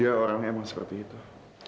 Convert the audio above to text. dia orang emang seperti itu